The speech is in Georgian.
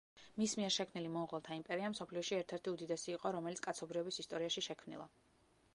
მის მიერ შექმნილი მონღოლთა იმპერია, მსოფლიოში ერთ-ერთი უდიდესი იყო, რომელიც კაცობრიობის ისტორიაში შექმნილა.